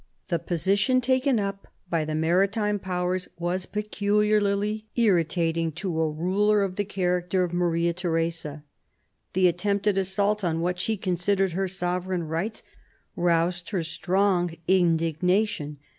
The position taken up by the Maritime Powers was peculiarly irritating to a ruler of the character of Maria Theresa. The attempted assault on what she considered her sovereign rights roused her strong indignation.